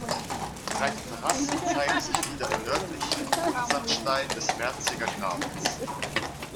Breite Terrassen zeigen sich wieder im nördlichen Buntsandstein des Merziger Grabens.